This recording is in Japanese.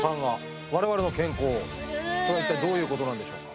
それは一体どういうことなんでしょうか？